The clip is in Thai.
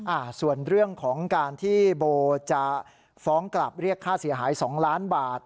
อ่าส่วนเรื่องของการที่โบจะฟ้องกลับเรียกค่าเสียหายสองล้านบาท